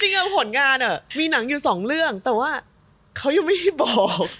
จริงก็ผลงานอะมีหนังอยู่๒เรื่องแต่ว่าเขายังไม่ได้บอก